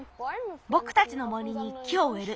ぼくたちの森に木をうえる。